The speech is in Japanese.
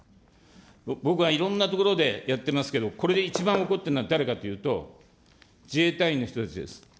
僕はいろんなところでやってますけど、これで一番怒ってるのは誰かっていうと、自衛隊員の人たちです。